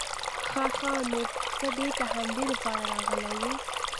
خه خه نو ته د همدې د پاره راغلې وې؟